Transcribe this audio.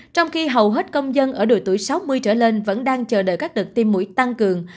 trong khi hầu hết công dân ở đội tuổi sáu mươi trở lên vẫn đang chờ đợi các đợt tiêm mũi tăng cường